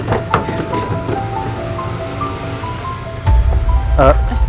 nanti aku jalan